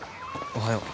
おはよう。